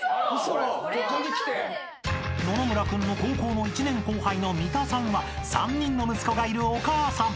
［野々村君の高校の１年後輩の三田さんは３人の息子がいるお母さん］